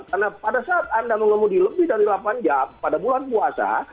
karena pada saat anda mengemudi lebih dari delapan jam pada bulan puasa